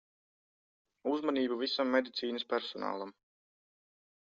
Uzmanību visam medicīnas personālam.